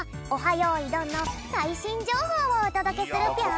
よいどん」のさいしんじょうほうをおとどけするぴょん！